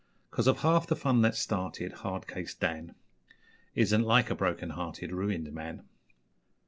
Cause of half the fun that's started 'Hard case' Dan Isn't like a broken hearted, Ruined man.